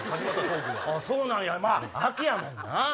あぁそうなんやまぁ秋やもんな。